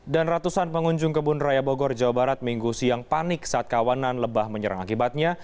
dan ratusan pengunjung kebun raya bogor jawa barat minggu siang panik saat kawanan lebah menyerang akibatnya